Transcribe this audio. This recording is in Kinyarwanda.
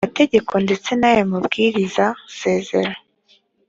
mategeko ndetse n aya mabwiriza sezar